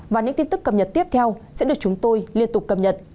và những tin tức cập nhật tiếp theo sẽ được chúng tôi liên tục cập nhật